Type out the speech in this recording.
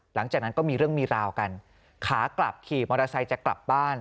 หลังจากนั้นก็มีเรื่องมีราวกันขากลับขี่มอเตอร์ไซค์จะกลับบ้าน